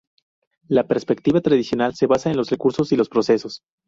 La perspectiva tradicional se basa en los recursos y los procesos.